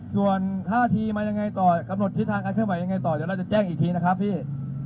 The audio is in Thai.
ส่วนท่าทีมายังไงต่อกำหนดทิศทางการเคลื่อนไหวยังไงต่อเดี๋ยวเราจะแจ้งอีกทีนะครับพี่